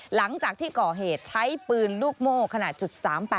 หลังจากที่ก่อเหตุใช้ปืนลูกโม่ขนาด๓๘